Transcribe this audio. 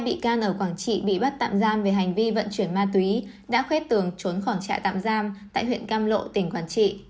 một bị can ở quảng trị bị bắt tạm giam về hành vi vận chuyển ma túy đã khuét tường trốn khỏi trại tạm giam tại huyện cam lộ tỉnh quảng trị